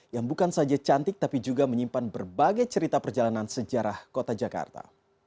yang bukan saja cantik tapi juga menyimpan berbagai cerita perjalanan sejarah kota jakarta